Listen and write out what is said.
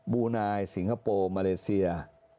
ูนายสิงคโปร์มาเลเซีย